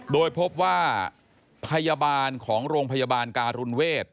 โดยพบว่าพยาบาลของโรงพยาบาลการุณเวท